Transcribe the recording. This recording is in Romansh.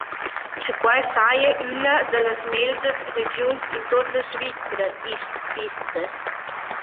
Cha quai saja üna da las megldras regiuns in tuot la Svizra, disch Pfister.